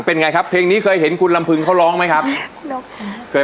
มีความรู้สึกว่ามีความรู้สึกว่ามีความรู้สึกว่ามีความรู้สึกว่า